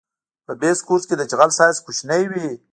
په بیس کورس کې د جغل سایز کوچنی وي